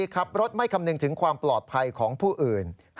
ขับรถไม่คำนึงถึงความปลอดภัยของผู้อื่น